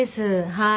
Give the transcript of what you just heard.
はい。